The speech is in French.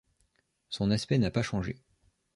Son aspect n’a pas changé.